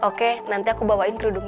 oke nanti aku bawain kerudungnya